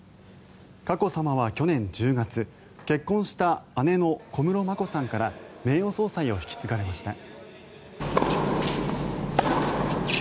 佳子さまは去年１０月結婚した姉の小室眞子さんから名誉総裁を引き継がれました。